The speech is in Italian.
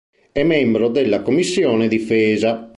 È membro della Commissione Difesa.